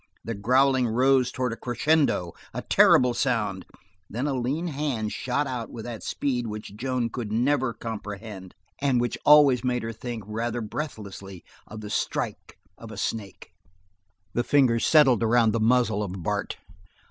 The growling rose towards a crescendo, a terrible sound; then a lean hand shot out with that speed which Joan could never comprehend and which always made her think, rather breathlessly, of the strike of a snake. The fingers settled around the muzzle of Bart.